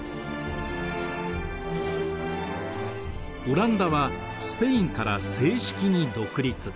オランダはスペインから正式に独立。